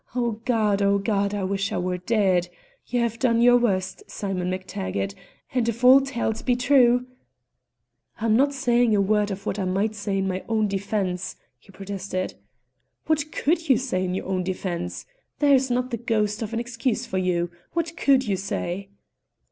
Oh, God! oh, God! I wish I were dead! You have done your worst, Simon MacTaggart; and if all tales be true " "I'm not saying a word of what I might say in my own defence," he protested. "What could you say in your own defence? There is not the ghost of an excuse for you. What could you say?"